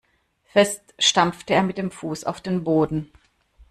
Fest stampfte er mit dem Fuß auf den Boden.